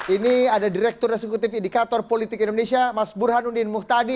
ini ada direktur eksekutif indikator politik indonesia mas burhanuddin muhtadi